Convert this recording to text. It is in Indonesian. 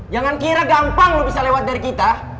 jangan kira gampang lo bisa lewat dari kita